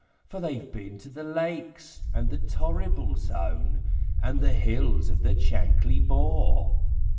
For they've been to the Lakes, and the Torrible Zone, And the hills of the Chankly Bore!'